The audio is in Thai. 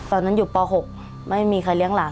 ตอนนั้นอยู่ป๖ไม่มีใครเลี้ยงหลาน